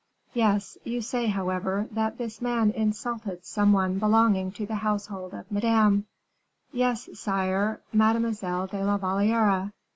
"Yes, you say, however, that this man insulted some one belonging to the household of Madame." "Yes, sire. Mademoiselle de la Valliere."